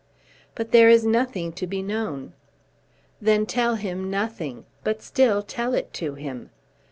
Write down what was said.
"But there is nothing to be known." "Then tell him nothing; but still tell it to him.